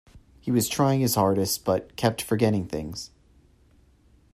He was trying his hardest, but kept forgetting things.